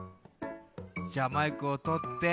じゃあマイクをとって。